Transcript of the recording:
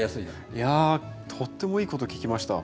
いやとってもいいこと聞きました。